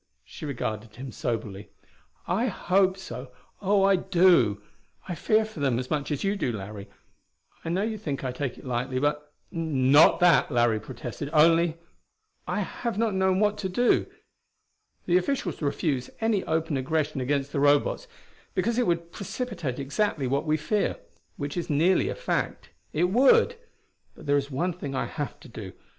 She regarded him soberly. "I hope so oh, I do! I fear for them as much as you do, Larry. I know you think I take it lightly, but " "Not that," Larry protested. "Only " "I have not known what to do. The officials refuse any open aggression against the Robots, because it would precipitate exactly what we fear which is nearly a fact: it would. But there is one thing I have to do.